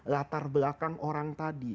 latar belakang orang tadi